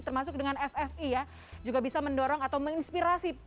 termasuk dengan ffi ya juga bisa mendorong atau menginspirasi